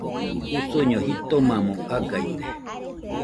Usuño jitomamo agaide.